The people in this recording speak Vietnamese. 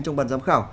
trong bàn giám khảo